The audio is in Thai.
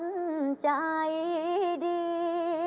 สนุกจ่ายดี